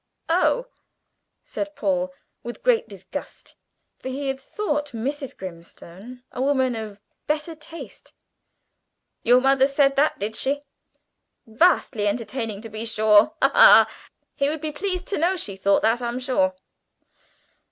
"Oh!" said Paul, with great disgust, for he had thought Mrs. Grimstone a woman of better taste; "your mother said that, did she? Vastly entertaining to be sure ha, ha! He would be pleased to know she thought that, I'm sure."